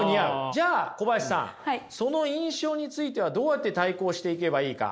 じゃあ小林さんその印象についてはどうやって対抗していけばいいか。